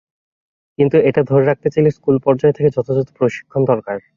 কিন্তু এটা ধরে রাখতে চাইলে স্কুল পর্যায় থেকে যথাযথ প্রশিক্ষণ দরকার।